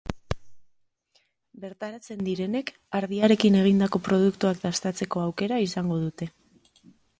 Bertaratzen direnek ardiarekin egindako produktuak dastatzeko aukera izango dute.